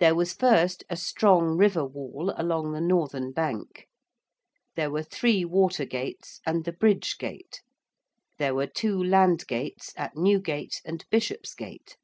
There was first a strong river wall along the northern bank. There were three water gates and the Bridge gate; there were two land gates at Newgate and Bishopsgate.